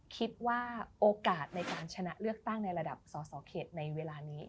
คิดว่าโอกาสในการชนะเลือกตั้งในระดับสสเขตในเวลานี้